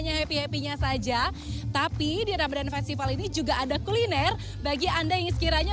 hanya happy happy nya saja tapi di ramadan festival ini juga ada kuliner bagi anda yang sekiranya